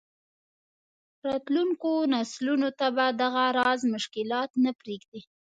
راتلونکو نسلونو ته به دغه راز مشکلات نه پرېږدي.